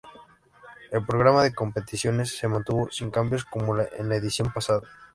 El programa de competiciones se mantuvo sin cambios, como en la edición pasada.